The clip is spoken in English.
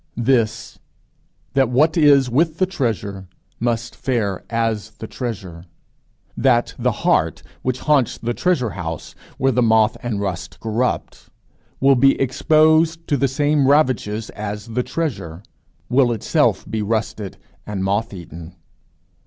This: that what is with the treasure must fare as the treasure; that the heart which haunts the treasure house where the moth and rust corrupt, will be exposed to the same ravages as the treasure, will itself be rusted and moth eaten.